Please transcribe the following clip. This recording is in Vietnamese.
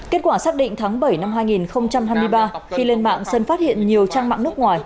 kết quả xác định tháng bảy năm hai nghìn hai mươi ba khi lên mạng sơn phát hiện nhiều trang mạng nước ngoài